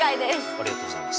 ありがとうございます。